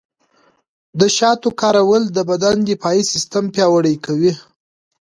د شاتو کارول د بدن دفاعي سیستم پیاوړی کوي.